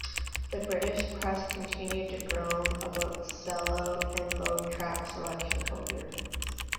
The British press continued to groan about sell-out and low track selection coherence.